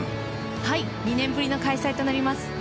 ２年ぶりの開催となります